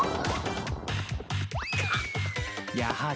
やはり。